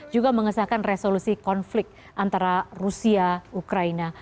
juga mengesahkan resolusi konflik antara rusia ukraina